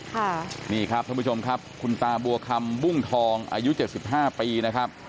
ค่ะนี่ครับท่านผู้ชมครับคุณตาบัวคำบุ้งทองอายุเจ็ดสิบห้าปีนะครับ